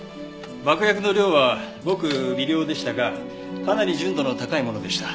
爆薬の量はごく微量でしたがかなり純度の高いものでした。